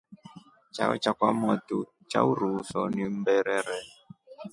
Chao cha kwamotu cha uruuso ni umberere.